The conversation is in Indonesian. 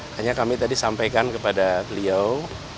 hanya kami tadi sampaikan kepada beliau